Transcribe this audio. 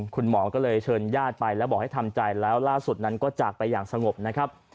คุณหมอก็เลยเชิญญาติไปแล้วบอกให้ทำใจแล้วล่าสุดนั้นก็จากไปอย่างสงบนะครับ